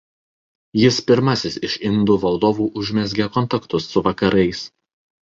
Jis pirmasis iš indų valdovų užmezgė kontaktus su Vakarais.